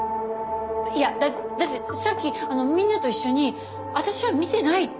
いやだってさっきみんなと一緒に私は見てないって。